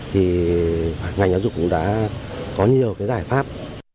thì ngành giáo dục cũng đã có nhiều cái giải pháp